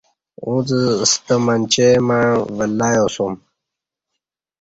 اُݩڅ ستہ منچے مع ولہ یاسُوم